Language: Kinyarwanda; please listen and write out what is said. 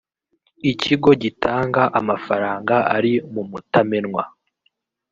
ikigo gitanga amafaranga ari mu mutamenwa